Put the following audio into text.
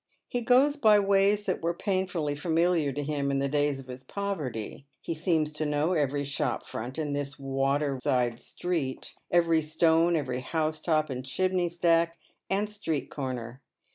He goes by ways that were painfully familiar to him in the days of his poverty. He seems to know ever_y shop front in this water side street, every stone, every housetop, and chimney stack, and street corner.